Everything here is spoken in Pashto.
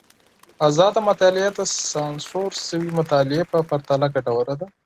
ازاده مطالعه د سانسور سوي مطالعې په پرتله ګټوره ده.